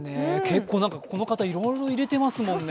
この方、いろいろ入れてますもんね。